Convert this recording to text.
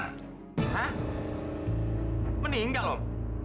hah meninggal om